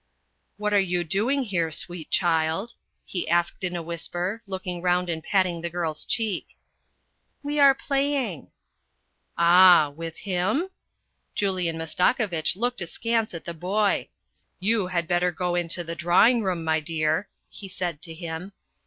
" What are you doing here, sweet child ?" he asked in a whisper, looking round and patting the girl's cheek. " We are playing." " Ah ! With him ?" Yulian Mastakovitch looked askance at the boy. " You had better go into the drawing room, my dear," he said to him.